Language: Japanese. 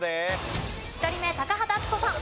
１人目高畑淳子さん。